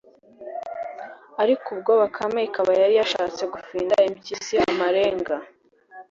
ariko ubwo bakame ikaba yari yashatse gufinda impyisi amarenga